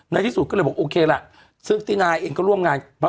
ในที่สุดก็เลยบอกโอเคล่ะซึ่งตินายเองก็ร่วมงาน